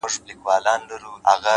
که مړ سوم نو ومنه ـ